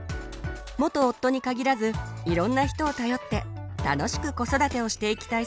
元夫に限らずいろんな人を頼って楽しく子育てをしていきたいそうです。